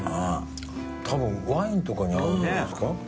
多分ワインとかに合うんじゃないですか。